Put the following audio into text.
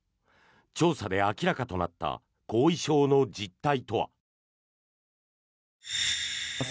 調査で明らかとなった後遺症の実態とは。